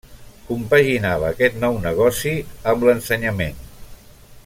Compaginava aquest nou negoci amb l'ensenyament.